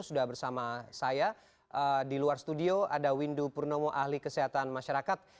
sudah bersama saya di luar studio ada windu purnomo ahli kesehatan masyarakat